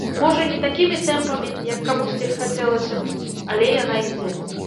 Можа, не такімі тэмпамі, як камусьці хацелася б, але яна ідзе.